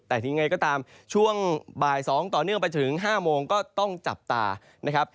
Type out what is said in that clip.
แต่ถึงไงก็ตามช่วงบ่าย๒ต่อเนื่องไปถึง๕โมงก็ต้องจับตานะครับ